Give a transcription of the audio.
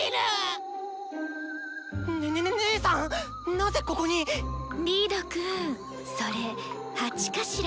なぜここにッ⁉リードくんそれ鉢かしら？